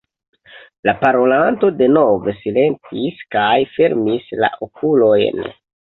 La parolanto denove silentis kaj fermis la okulojn.